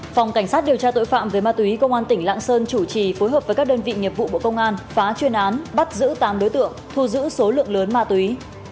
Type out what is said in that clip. phòng cảnh sát điều tra tội phạm về ma túy công an tỉnh lạng sơn chủ trì phối hợp với các đơn vị nghiệp vụ bộ công an phá chuyên án bắt giữ tám đối tượng thu giữ số lượng lớn ma túy